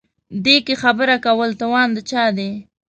دې کې خبره کول توان د چا دی.